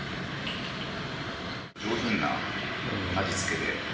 上品な味付けで。